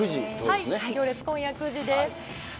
行列、今夜９時ですね。